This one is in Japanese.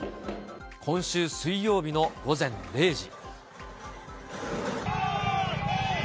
今週水曜日の午前０時。